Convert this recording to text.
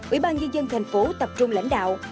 ủy ban nhân dân thành phố tập trung lãnh đạo